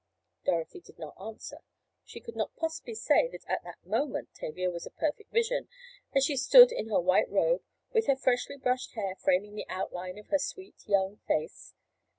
Dorothy did not answer. She could not possibly say that at that moment Tavia was a perfect vision, as she stood in her white robe, with her freshly brushed hair framing the outline of her sweet, young face.